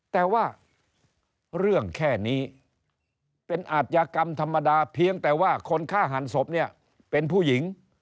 แต่ว่าเรื่องแค่นี้เป็นอาจยากรรมธรรมดาเพียงแต่ว่าคนฆ่าหันศพเนี่ยเป็นผู้หญิง